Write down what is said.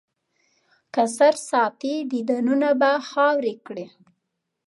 که سر ساتې، دیدنونه به خاورې کړي.